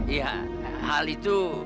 ya hal itu